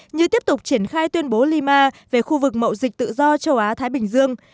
như tiếp tục triển khai tuyên bố lima về khu vực mậu dịch tự do châu á thái bình dương